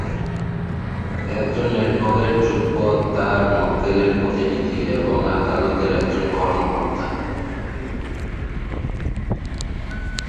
একজন অ্যাডভোকেট যুগপৎ তার মক্কেলের প্রতিনিধি এবং আদালতের একজন কর্মকর্তা।